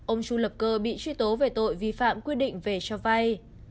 ông chu lập cơ bị truy tố về tội vi phạm quy định về cho vay